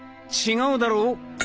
違うだろう？